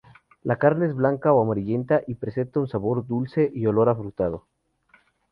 La carne es blanca o amarillenta, y presenta sabor dulce y olor afrutado.